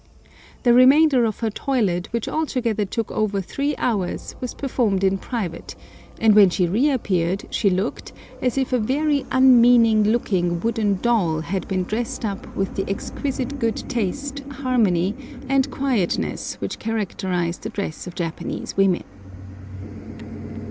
The remainder of her toilet, which altogether took over three hours, was performed in private, and when she reappeared she looked as if a very unmeaning looking wooden doll had been dressed up with the exquisite good taste, harmony, and quietness which characterise the dress of Japanese women.